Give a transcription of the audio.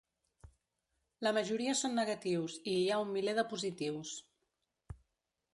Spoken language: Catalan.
La majoria són negatius i hi ha un miler de positius.